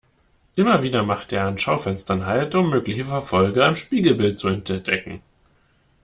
Immer wieder macht er an Schaufenstern halt, um mögliche Verfolger im Spiegelbild zu entdecken.